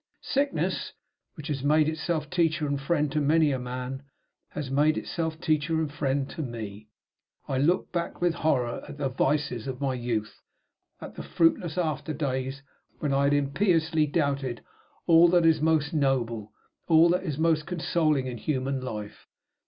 Sickness, which has made itself teacher and friend to many a man, had made itself teacher and friend to me. I looked back with horror at the vices of my youth; at the fruitless after days when I had impiously doubted all that is most noble, all that is most consoling in human life.